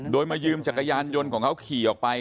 โดยมายืมจักรยานยนต์ของเขาขี่ออกไป